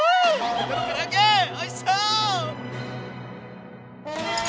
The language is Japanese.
豚のから揚げおいしそう！